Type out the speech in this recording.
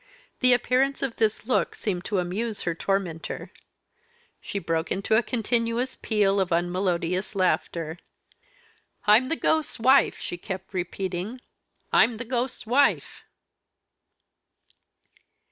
The appearance of this look seemed to amuse her tormentor. She broke into a continuous peal of unmelodious laughter. "I'm the ghost's wife!" she kept repeating. "I'm the ghost's wife."